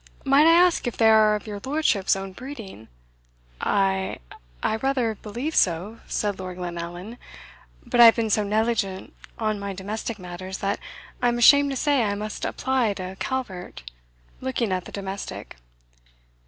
Might I ask if they are of your lordship's own breeding?" "I I rather believe so," said Lord Glenallan; "but I have been so negligent of my domestic matters, that I am ashamed to say I must apply to Calvert" (looking at the domestic).